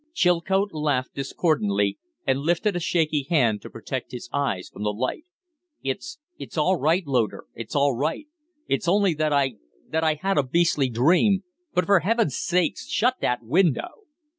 Chilcote laughed discordantly, and lifted a shaky hand to protect his eyes from the light. "It's it's all right, Loder! It's all right! It's only that I that I had a beastly dream. But, for Heaven's sake, shut that window!"